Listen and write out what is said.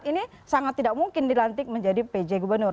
ini sangat tidak mungkin dilantik menjadi pj gubernur